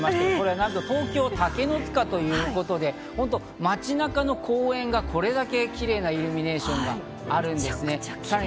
なんと東京・竹ノ塚ということで、街中の公園がこれだけキレイなイルミネーションがあるんですね。